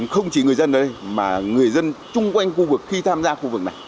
không chỉ người dân ở đây mà người dân chung quanh khu vực khi tham gia khu vực này